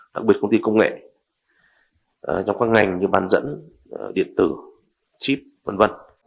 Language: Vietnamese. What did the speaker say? đặc biệt công ty công nghệ trong các ngành như bán dẫn điện tử chip v v